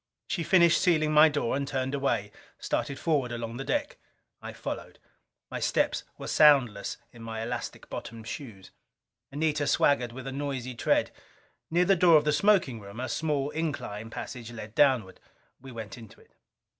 She finished sealing my door and turned away; started forward along the deck. I followed. My steps were soundless in my elastic bottomed shoes. Anita swaggered with a noisy tread. Near the door of the smoking room a small incline passage led downward. We went into it.